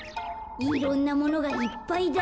いろんなものがいっぱいだ。